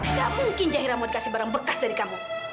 nggak mungkin jahira mau dikasih barang bekas dari kamu